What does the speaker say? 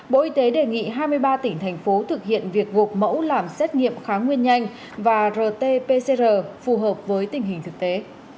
bộ y tế đề nghị hai mươi ba tỉnh thành phố thực hiện việc gộp mẫu làm xét nghiệm kháng nguyên nhanh và rt pcr phù hợp với tình hình thực tế